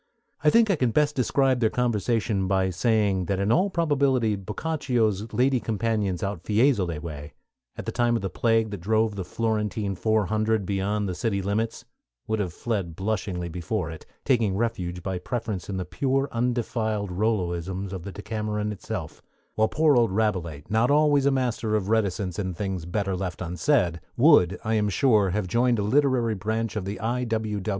I think I can best describe their conversation by saying that in all probability Boccaccio's lady companions out Fiesole way, at the time of the plague that drove the Florentine Four Hundred beyond the city limits, would have fled blushingly before it, taking refuge by preference in the pure, undefiled Rolloisms of the Decameron itself; while poor old Rabelais, not always a master of reticence in things better left unsaid, would, I am sure, have joined a literary branch of the I. W.